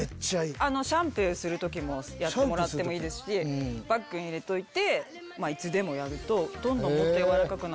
シャンプーする時やってもらってもいいですしバッグに入れていつでもやるとどんどんやわらかくなって。